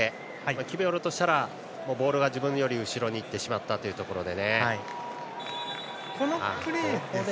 キビオルとしたらボールが自分より後ろに行ってしまったというところで。